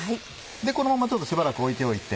このまましばらく置いておいて。